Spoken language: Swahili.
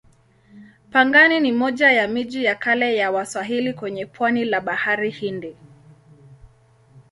Pangani ni moja ya miji ya kale ya Waswahili kwenye pwani la Bahari Hindi.